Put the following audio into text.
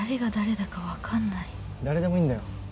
もはや誰でもいいんだよ。